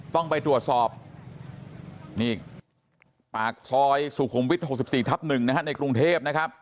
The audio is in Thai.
ต้องไปตรวจสอบนี่ปากซอยสุขุมวิทย์๖๔ทับ๑นะฮะในกรุงเทพนะครับ